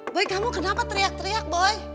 baik kamu kenapa teriak teriak boy